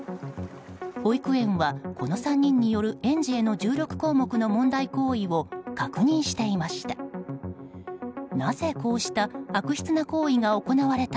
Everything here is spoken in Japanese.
保育園は、この３人による園児への１６項目の問題行為を確認していました。